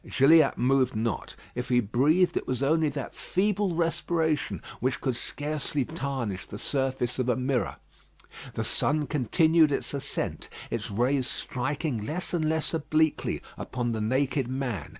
Gilliatt moved not. If he breathed, it was only that feeble respiration which could scarcely tarnish the surface of a mirror. The sun continued its ascent; its rays striking less and less obliquely upon the naked man.